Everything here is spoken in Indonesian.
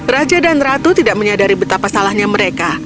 raja dan ratu tidak menyadari betapa salahnya mereka